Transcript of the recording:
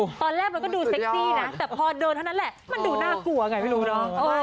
ตอนแรกมันก็ดูเซ็กซี่นะแต่พอเดินเท่านั้นแหละมันดูน่ากลัวไงไม่รู้เนอะ